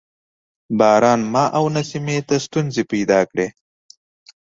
باران ما او نمسۍ ته ستونزې را پیدا کړې.